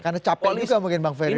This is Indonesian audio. karena capek juga mungkin bang ferdinand